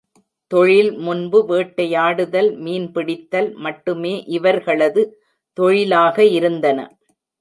தொழில் முன்பு வேட்டையாடுதல் மீன் பிடித்தல் மட்டுமே இவர்களது தொழிலாக இருந்தன.